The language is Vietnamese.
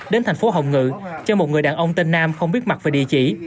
đến tp hồng ngự cho một người đàn ông tên nam không biết mặt về địa chỉ